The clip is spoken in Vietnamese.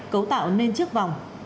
cấu tạo nên chiếc vòng